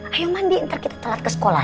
ayo mandi ntar kita telat ke sekolah